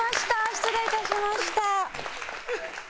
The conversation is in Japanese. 失礼いたしました。